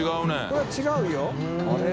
これは違うよ。